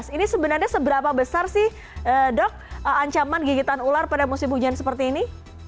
ini sebenarnya seberapa besar sih dok ancaman gigitan ular pada musim hujan seperti ini